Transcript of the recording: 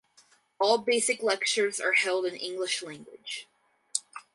All basic lectures are held in English language.